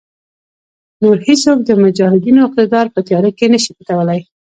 نور هېڅوک د مجاهدینو اقتدار په تیاره کې نشي پټولای.